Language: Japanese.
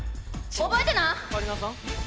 覚えてな！